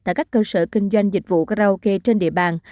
tại các cơ sở kinh doanh dịch vụ karaoke trên địa bàn